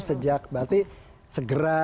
sejak berarti segera